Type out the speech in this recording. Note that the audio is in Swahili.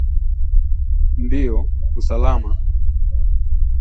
Ndio, usalama